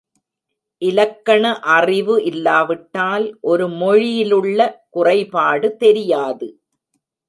இலக்கண அறிவு இல்லாவிட்டால் ஒரு மொழியிலுள்ள குறைபாடு தெரியாது.